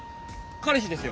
彼氏ですよ。